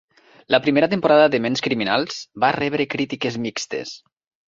La primera temporada de "Ments Criminals" va rebre crítiques mixtes.